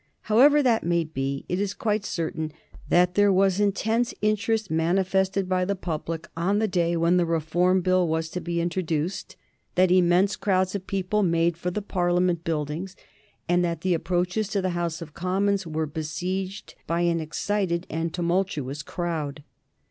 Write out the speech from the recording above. However that may be, it is quite certain that there was intense interest manifested by the public on the day when the Reform Bill was to be introduced; that immense crowds of people made for the Parliament buildings, and that the approaches to the House of Commons were besieged by an excited and tumultuous crowd.